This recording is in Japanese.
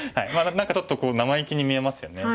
何かちょっと生意気に見えますよね。